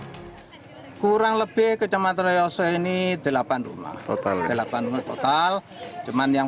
hai kurang lebih ke kecamatan ranggul yoso ini delapan rumah total delapan total cuman yang